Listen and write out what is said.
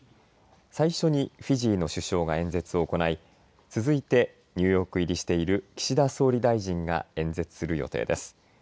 最初にフィジーの首相が演説を行い続いてニューヨーク入りしている岸田総理大臣が演説する予定です。